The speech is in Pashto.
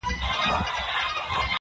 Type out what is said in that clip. • چي بد ګرځي بد به پرځي -